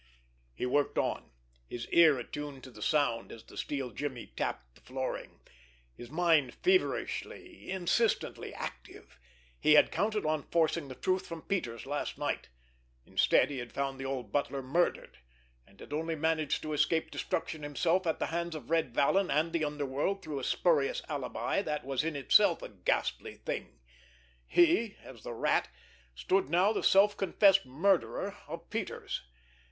He worked on, his ear attuned to the sound as the steel jimmy tapped the flooring, his mind feverishly, insistently active. He had counted on forcing the truth from Peters last night. Instead, he had found the old butler murdered, and had only managed to escape destruction himself at the hands of Red Vallon and the underworld through a spurious alibi that was in itself a ghastly thing. He, as the Rat, stood now the self confessed murderer of Peters!